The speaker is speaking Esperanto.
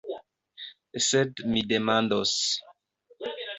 Sed mi demandos.